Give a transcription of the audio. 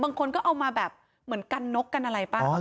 บางคนก็เอามาแบบเหมือนกันนกกันอะไรป่ะ